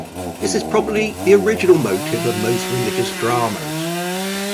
This is probably the original motive of most religious dramas.